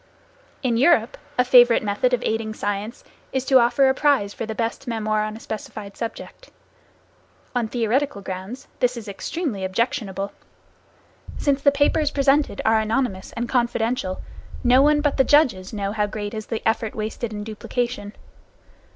In Europe, a favorite method of aiding science is to offer a prize for the best memoir on a specified subject. On theoretical grounds this is extremely objectionable. Since the papers presented are anonymous and confidential, no one but the judges know how great is the effort wasted in duplication.